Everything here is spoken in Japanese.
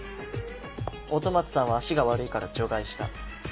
音松さんは足が悪いから除外した。